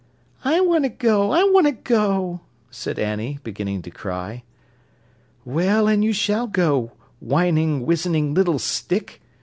"I want to go, I want to go," said Annie, beginning to cry. "Well, and you shall go, whining, wizzening little stick!"